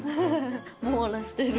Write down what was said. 網羅してる。